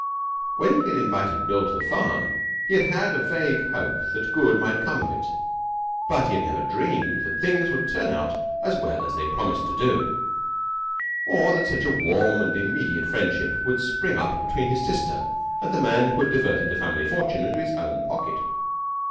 When he had invited Bill to the farm he had had a vague hope that good might come of it, but he had never dreamed that things would turn out as well as they promised to do, or that such a warm and immediate friendship would spring up between his sister and the man who had diverted the family fortune into his own pocket.